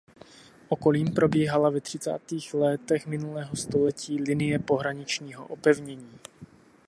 Okolím probíhala ve třicátých létech minulého století linie pohraničního opevnění.